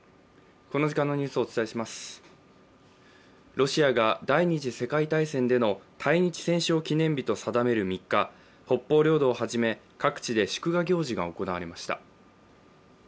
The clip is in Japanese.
ロシアが第二次世界大戦での対日戦勝記念日と定める３日北方領土をはじめ、各地で祝賀行事が行われました。